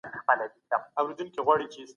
د زړونو خلګ خو د